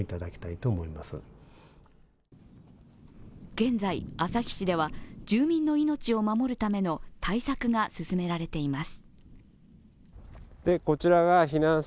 現在、旭市では住民の命を守るための対策が進められています。